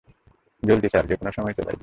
জলদি, স্যার যে কোনো সময় চলে আসবে।